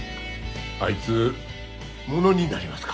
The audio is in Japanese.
あいつものになりますか？